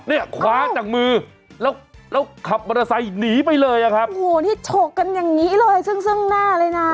เนี่ยคว้าจากมือแล้วแล้วขับมอเตอร์ไซค์หนีไปเลยอ่ะครับโอ้โหนี่ฉกกันอย่างงี้เลยซึ่งซึ่งหน้าเลยนะ